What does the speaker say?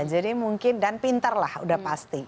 jadi mungkin dan pintar lah udah pasti